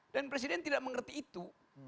dan presiden tidak mengerti itu